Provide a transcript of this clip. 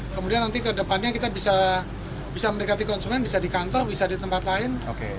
kemudian nanti ke depannya kita bisa mendekati konsumen bisa di kantor bisa di tempat lain